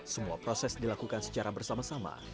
semua proses dilakukan secara bersama sama